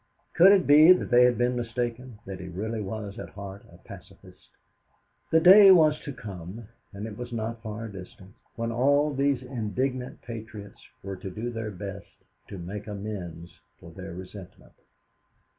Could it be that they had been mistaken, that he really was at heart a pacifist? The day was to come and it was not far distant when all these indignant patriots were to do their best to make amends for their resentment.